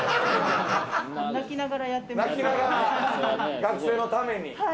学生のために。